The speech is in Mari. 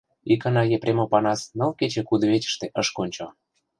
Икана Епрем Опанас ныл кече кудывечыште ыш кончо.